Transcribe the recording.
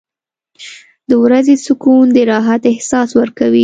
• د ورځې سکون د راحت احساس ورکوي.